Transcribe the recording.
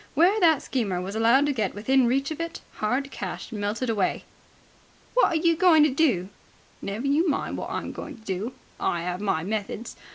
Where that schemer was allowed to get within reach of it, hard cash melted away. "What are you going to do?" "Never you mind what I'm going to do. I 'ave my methods.